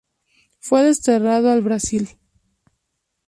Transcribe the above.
Fue desterrado al Brasil.